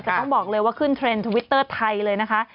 แต่ต้องบอกเลยว่าขึ้นเทรนด์ทวิตเตอร์ไทยเลยนะคะ